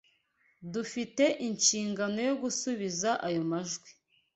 Dufite inshingano yo gusubiza ayo majwi